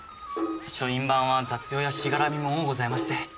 書院番は雑用やしがらみも多ございまして。